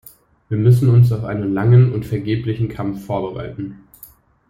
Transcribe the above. Wir müssen uns auf einen langen und vergeblichen Kampf vorbereiten.